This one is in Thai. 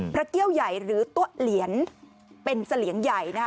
เกี้ยวใหญ่หรือตัวเหลียนเป็นเสลียงใหญ่นะคะ